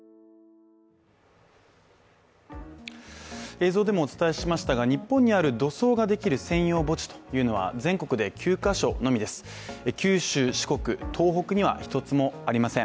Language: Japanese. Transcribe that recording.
映像でもお伝えしましたが日本にある土葬ができる専用墓地というのは全国で９か所のみです九州、四国、東北には１つもありません。